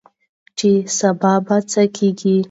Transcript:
چې سبا به څه کيږي؟